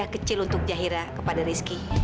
kecil untuk zahira kepada rizky